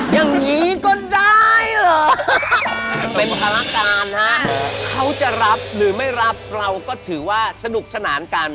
อย่างนี้ก็ได้เหรอเป็นภารการฮะเขาจะรับหรือไม่รับเราก็ถือว่าสนุกสนานกัน